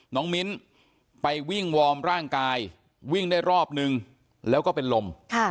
มิ้นไปวิ่งวอร์มร่างกายวิ่งได้รอบนึงแล้วก็เป็นลม